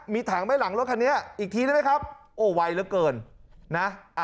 มีถังไปหลังลถคันเนี่ยอีกทีน่ะครับวัยเวลาเกิน